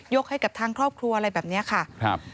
ให้กับทางครอบครัวอะไรแบบนี้ค่ะครับ